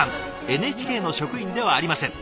ＮＨＫの職員ではありません。